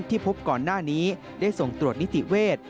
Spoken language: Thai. ที่พบก่อนหน้านี้ได้ส่งตรวจนิติเวทย์